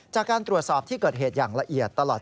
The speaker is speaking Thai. จากการตรวจสอบที่เกิดเหตุอย่างละเอียดตลอด